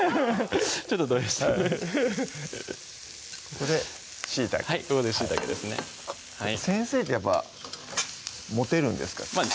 ちょっと動揺してフフッここでしいたけここでしいたけですね先生ってやっぱモテるんですか？